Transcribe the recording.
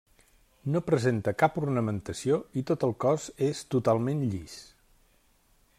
No presenta cap ornamentació i tot el cos és totalment llis.